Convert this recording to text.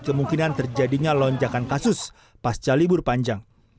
kemungkinan terjadinya lonjakan kasus pasca libur panjang